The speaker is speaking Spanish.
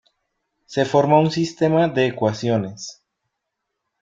Se forma un sistema de ecuaciones.